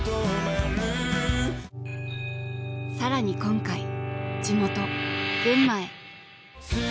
更に今回地元・群馬へ。